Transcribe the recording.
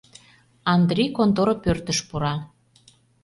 Андри контора пӧртыш пура.